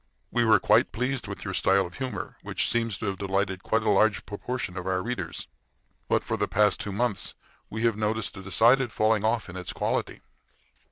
We were quite pleased with your style of humor, which seems to have delighted quite a large proportion of our readers. But for the past two months we have noticed a decided falling off in its quality.